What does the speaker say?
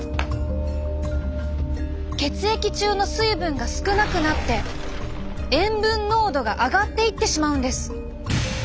血液中の水分が少なくなって塩分濃度が上がっていってしまうんです。